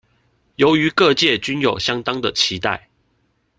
由於各界均有相當的期待